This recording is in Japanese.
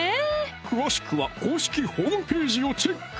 詳しくは公式ホームページをチェック